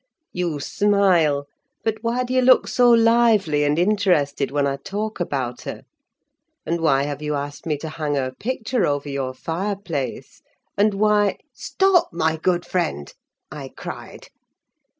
You smile; but why do you look so lively and interested when I talk about her? and why have you asked me to hang her picture over your fireplace? and why—?" "Stop, my good friend!" I cried.